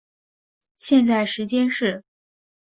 现在时间是。